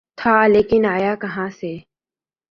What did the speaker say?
تھا‘ لیکن آیا کہاں سے؟